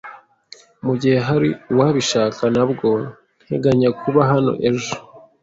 Mugihe hari uwabishaka, ntabwo nteganya kuba hano ejo.